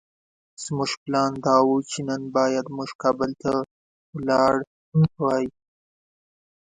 زموږ پلان دا وو چې نن بايد موږ کابل ته ولاړ وای.